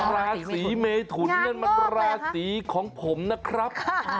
ราศีเมทุนนั่นมันราศีของผมนะครับ